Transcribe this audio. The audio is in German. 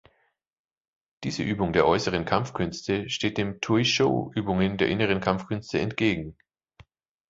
Diese Übung der äußeren Kampfkünste steht den Tuishou-Übungen der inneren Kampfkünste entgegen.